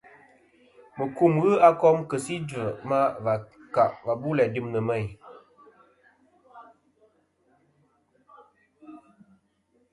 Mukum ghɨ a kom kɨ si idvɨ ma và kà bu dɨm nɨ̀ meyn.